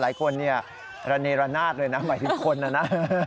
หลายคนระเนรนาศเลยนะหมายถึงคนอ่ะนะ